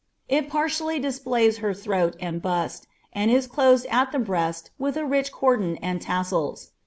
It pariially displays her throat and :. and is cloM d at the breast with a rich cordon and tassels.